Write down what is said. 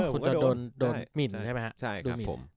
คุณก็โดนหมิ่นใช่ไหมฮะ